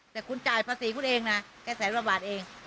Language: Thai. แต่ขุนจ่ายภาษีของคุณเองนะแค่แสนบาทเอง